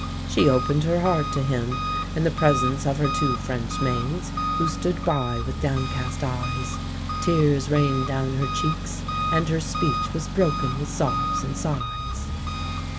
"She opened her heart to him, in the presence of her two French maids, who stood by with downcast eyes. Tears rained down her cheeks; and her speech was broken with sobs and sighs."